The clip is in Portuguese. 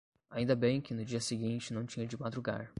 Ainda bem que no dia seguinte não tinha de madrugar!